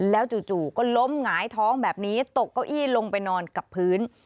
แล้วจู่ก็ล้มหงายท้องแบบนี้ตกเก้าอี้ลงไปนอนกับพื้น